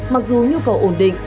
mặc dù nhu cầu ổn định